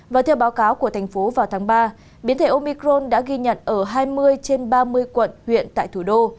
và theo báo cáo của thành phố vào tháng ba biến thể omicron đã ghi nhận ở hai mươi trên ba mươi quận huyện tại thủ đô